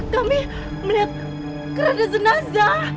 kami melihat keranda jenazah